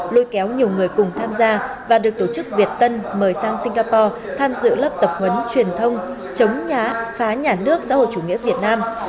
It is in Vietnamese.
lôi kéo nhiều người cùng tham gia và được tổ chức việt tân mời sang singapore tham dự lớp tập huấn truyền thông chống phá nhà nước xã hội chủ nghĩa việt nam